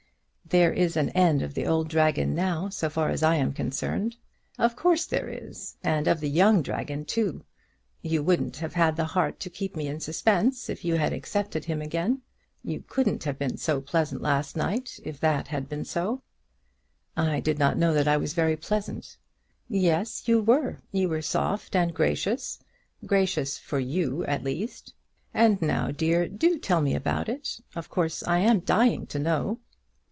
'" "There is an end of the old dragon now, so far as I am concerned." "Of course there is; and of the young dragon too. You wouldn't have had the heart to keep me in suspense if you had accepted him again. You couldn't have been so pleasant last night if that had been so." "I did not know I was very pleasant." "Yes, you were. You were soft and gracious, gracious for you, at least. And now, dear, do tell me about it. Of course I am dying to know."